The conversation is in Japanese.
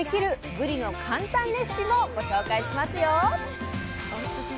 ぶりの簡単レシピもご紹介しますよ。